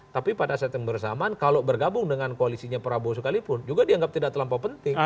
tapi pada saat yang bersamaan kalau bergabung dengan koalisinya prabowo sekalipun juga dianggap tidak terlampau penting